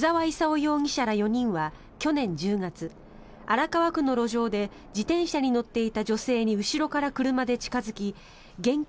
容疑者ら４人は去年１０月、荒川区の路上で自転車に乗っていた女性に後ろから車で近付き現金